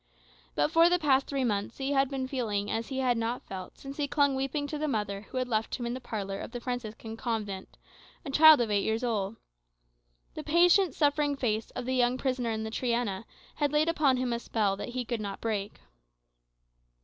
But for the past three months he had been feeling as he had not felt since he clung weeping to the mother who left him in the parlour of the Franciscan convent a child of eight years old. The patient suffering face of the young prisoner in the Triana had laid upon him a spell that he could not break.